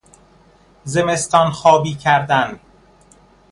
زمستانخوابی کردن